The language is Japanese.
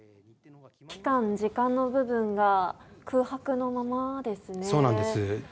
期間・時間の部分が空白のままですね。